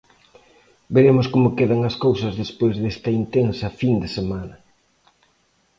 Veremos como quedan as cousas despois desta intensa fin de semana.